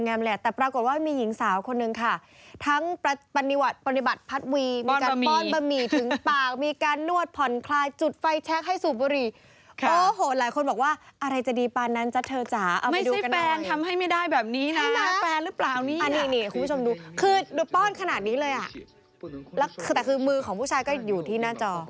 นี่นี่คุณผู้ชมดูคือดูป้อนขนาดนี้เลยอ่ะแล้วคือแต่คือมือของผู้ชายก็อยู่ที่หน้าจอ